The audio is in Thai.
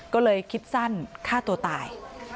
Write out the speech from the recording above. ก็เลยคิดสั้นฆ่าตัวตาย